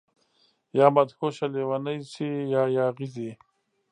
يا مدهوشه، لیونۍ شي يا ياغي دي